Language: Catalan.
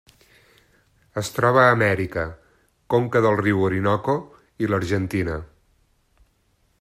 Es troba a Amèrica: conca del riu Orinoco i l'Argentina.